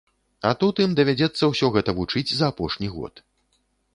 А тут ім давядзецца ўсё гэта вучыць за апошні год.